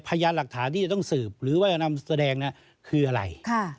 พยานหลักฐานที่จะต้องสืบหรือว่านำแสดงคืออะไร